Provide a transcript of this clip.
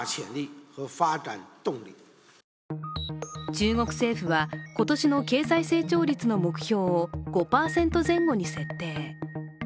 中国政府は今年の経済成長率の目標を５％前後に設定。